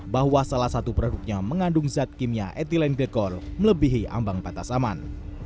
bahwa salah satu produknya mengandung zat kimia etilen glikol melebihi ambang batas aman